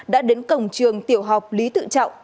đã đến cổng trường tiểu học lý tự trọng